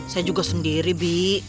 saya juga sendiri bi